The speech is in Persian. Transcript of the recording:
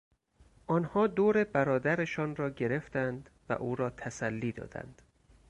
آنها دور برادرشان راگرفتند و او را تسلی دادند.